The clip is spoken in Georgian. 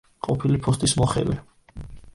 ყოფილი ფოსტის მოხელე.